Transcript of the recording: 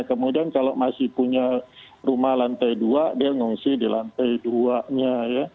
kemudian kalau masih punya rumah lantai dua dia mengungsi di lantai duanya